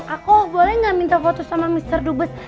aku boleh nggak minta foto sama mr dubes